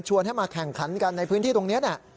ให้มาแข่งขันกันในพื้นที่ตรงนี้